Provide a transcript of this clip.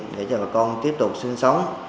để cho bà con tiếp tục sinh sống